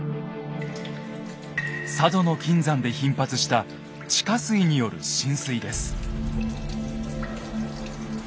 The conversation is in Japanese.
佐渡の金山で頻発した地下水による浸水です。